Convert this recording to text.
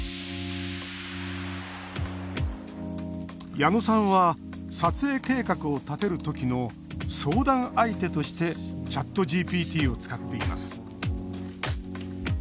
矢野さんは撮影計画を立てる時の相談相手としてＣｈａｔＧＰＴを使っています。